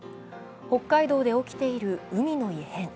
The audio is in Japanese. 北海道で起きている海の異変。